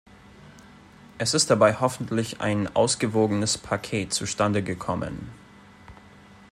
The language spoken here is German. Es ist dabei hoffentlich ein ausgewogenes Paket zustande gekommen.